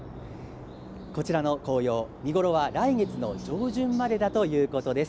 こちらの紅葉、見頃は来月の上旬までだということです。